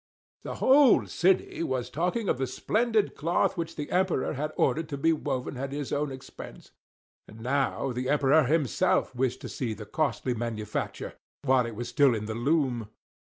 The whole city was talking of the splendid cloth which the Emperor had ordered to be woven at his own expense. And now the Emperor himself wished to see the costly manufacture, while it was still in the loom.